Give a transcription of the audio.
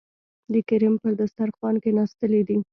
د کرم پر دسترخوان کېناستلي دي.